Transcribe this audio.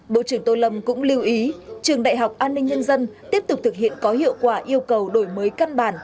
bộ trưởng tô lâm cũng lưu ý trường đại học an ninh nhân dân tiếp tục thực hiện có hiệu quả yêu cầu đổi mới căn bản